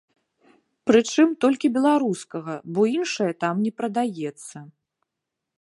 Прычым, толькі беларускага, бо іншае там не прадаецца.